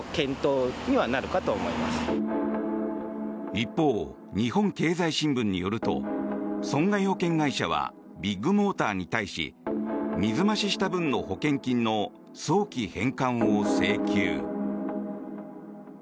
一方、日本経済新聞によると損害保険会社はビッグモーターに対し水増しした分の保険金の早期返還を請求。